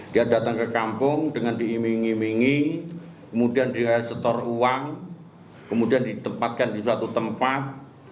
dia datang ke kampung dengan diimingi imingi kemudian dia setor uang kemudian ditempatkan di suatu tempat